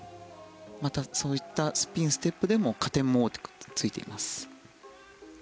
またそういったスピン、ステップでも加点も大きくついています。